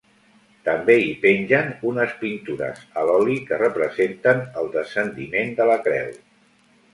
També hi pengen unes pintures a l'oli que representen el Descendiment de la Creu.